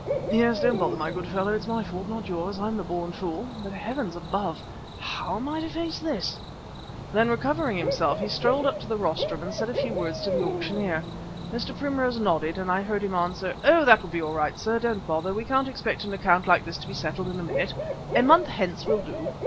'" "Yes. Don't bother, my good fellow, it's my fault, not yours. I'm the born fool. But heavens above! how am I to face this?" Then, recovering himself, he strolled up to the rostrum and said a few words to the auctioneer. Mr. Primrose nodded, and I heard him answer: "Oh, that will be all right, sir, don't bother. We can't expect an account like this to be settled in a minute. A month hence will do."